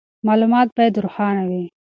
معلومات باید روښانه وي.